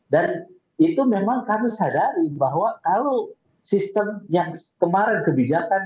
dan itu memang kami sadari bahwa kalau sistem yang kemarin kebijakan